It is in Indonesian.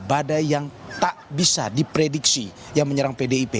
badai yang tak bisa diprediksi yang menyerang pdip